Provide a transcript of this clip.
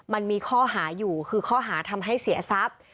มันมีข้อหาอยู่คือข้อหาทำให้เสียทรัพย์